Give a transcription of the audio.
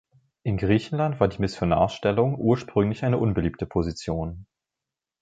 In Griechenland war die Missionarsstellung ursprünglich eine unbeliebte Position.